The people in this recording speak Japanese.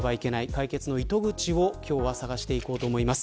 解決の糸口を今日は探していこうと思います。